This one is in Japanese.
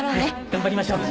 頑張りましょう。